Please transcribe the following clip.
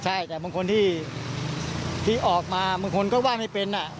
ใช่แต่บางคนที่ออกมาบางคนก็ว่าไม่เป็น